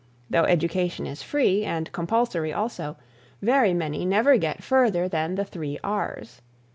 Though education is free, and compulsory also, very many never get further than the "Three R's."